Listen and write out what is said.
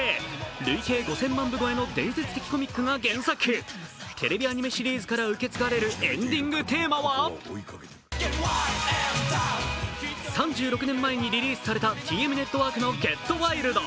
累計５０００万部超えの伝説的コミックが原作テレビアニメシリーズから受け継がれるエンディングテーマは３６年前にリリースされたＴＭＮＥＴＷＯＲＫの「ＧｅｔＷｉｌｄ」。